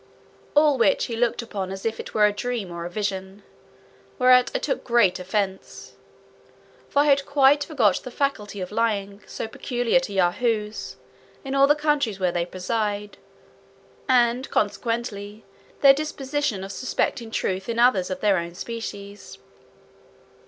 All which he looked upon as if it were a dream or a vision; whereat I took great offence; for I had quite forgot the faculty of lying, so peculiar to Yahoos, in all countries where they preside, and, consequently, their disposition of suspecting truth in others of their own species.